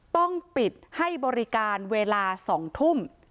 ต้องปิดให้บริการเวลา๒ทุ่ม